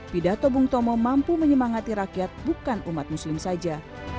pidato bung tomo mampu menyemangati rakyat bukan umat muslim saja